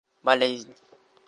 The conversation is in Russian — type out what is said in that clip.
болезнь